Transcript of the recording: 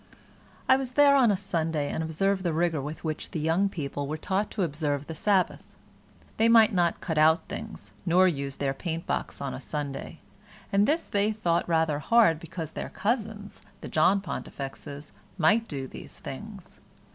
I was there on a Sunday, and observed the rigour with which the young people were taught to observe the Sabbath; they might not cut out things, nor use their paintbox on a Sunday, and this they thought rather hard, because their cousins the John Pontifexes might do these things.